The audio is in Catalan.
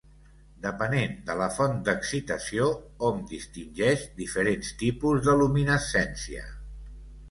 Depenent de la font d'excitació, hom distingeix diferents tipus de luminescència.